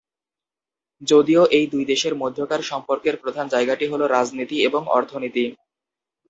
যদিও এই দুই দেশের মধ্যকার সম্পর্কের প্রধান জায়গাটি হল রাজনীতি এবং অর্থনীতি।